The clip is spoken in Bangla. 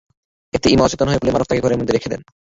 এতে ইমা অচেতন হয়ে পড়লে মারুফ তাঁকে ঘরের মধ্যে রেখে দেন।